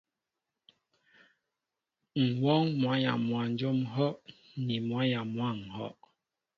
M̀ wɔ́ɔ́ŋ mwǎyaŋ mwanjóm ŋ̀hɔ́' ni mwǎyaŋ mwǎ ŋ̀hɔ́.